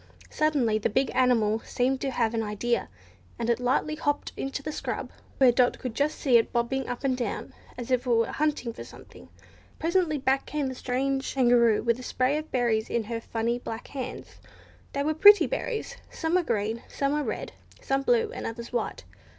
Suddenly the big animal seemed to have an idea, and it lightly hopped off into the scrub, where Dot could just see it bobbing up and down as if it were hunting for something. Presently back came the strange Kangaroo with a spray of berries in her funny black hands. They were pretty berries. Some were green, some were red, some blue, and others white.